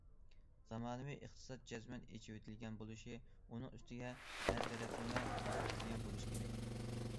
زامانىۋى ئىقتىساد جەزمەن ئېچىۋېتىلگەن بولۇشى، ئۇنىڭ ئۈستىگە ھەر تەرەپلىمە ئېچىۋېتىلگەن بولۇشى كېرەك.